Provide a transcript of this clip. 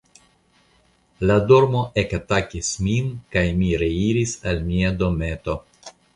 La dormo ekatakas min, kaj mi reiris al mia dometo.